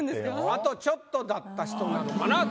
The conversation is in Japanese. あとちょっとだった人なのかな。